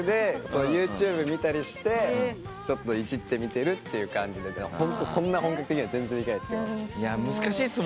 独学でＹｏｕＴｕｂｅ見たりしてちょっと、いじってみてるって感じで本格的には全然できないです。